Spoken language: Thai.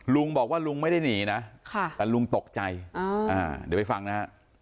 ลุงบอกว่าลุงไม่ได้หนีนะแต่ลุงตกใจเดี๋ยวไปฟังนะฮะ